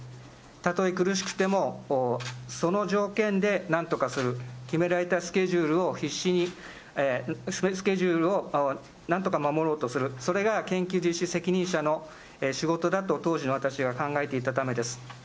たとえ苦しくても、その条件でなんとかする、決められたスケジュールを必死に、スケジュールをなんとか守ろうとする、それが研究実施責任者の仕事だと、当時の私は考えていたためです。